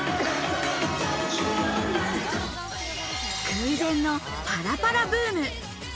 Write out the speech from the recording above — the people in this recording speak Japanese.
空前のパラパラブーム。